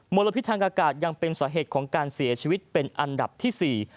ลพิษทางอากาศยังเป็นสาเหตุของการเสียชีวิตเป็นอันดับที่๔